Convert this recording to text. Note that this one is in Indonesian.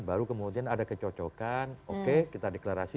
baru kemudian ada kecocokan oke kita deklarasi